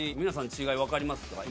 皆さん、違い分かりますか？